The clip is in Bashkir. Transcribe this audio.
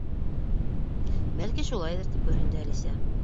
—Бәлки, шулайҙыр, —тип көрһөндө Әлисә.